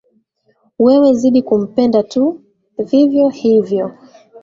Wewe zidi kumpenda tu vivyo hivyo